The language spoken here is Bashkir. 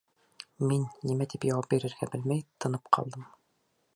Мин, нимә тип яуап бирергә белмәй, тынып ҡалам.